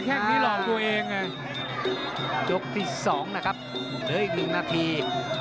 แข้งนี้หลอกตัวเองอ่ะยกที่สองนะครับเดี๋ยวอีกหนึ่งนาที